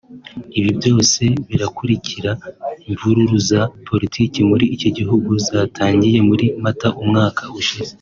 Ibi byose birakurikira imvururu za politiki muri iki gihugu zatangiye muri Mata umwaka ushize